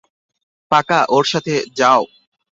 পাকা, ওর সাথে যাও।